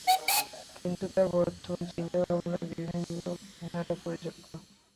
কিন্তু তার বর্তমান চিন্তা-ভাবনা ভিন্ন ধারায় পরিচালিত।